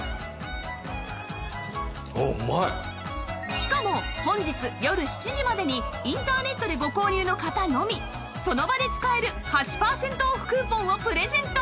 しかも本日よる７時までにインターネットでご購入の方のみその場で使える８パーセントオフクーポンをプレゼント！